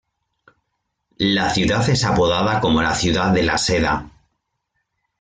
La ciudad es apodada como la "Ciudad de la seda".